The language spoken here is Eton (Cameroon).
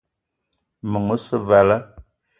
Meng osse vala.